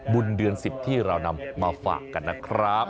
บุญเดือน๑๐ที่เรานำมาฝากกันนะครับ